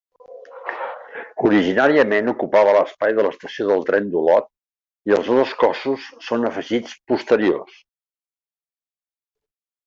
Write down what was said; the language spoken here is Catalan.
Originàriament ocupava l'espai de l'estació del tren d'Olot i els dos cossos són afegits posteriors.